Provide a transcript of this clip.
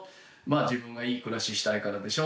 自分がいい暮らししたいからでしょ。